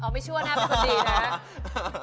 อ๋อไม่ชั่วน่ะมันคุณดีนะ